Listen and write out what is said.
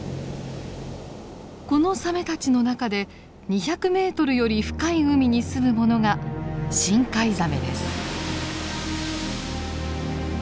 このサメたちの中で２００ｍより深い海にすむものが深海ザメです。